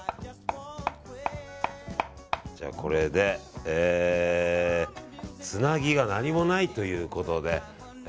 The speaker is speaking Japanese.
じゃあこれで、つなぎが何もないということで。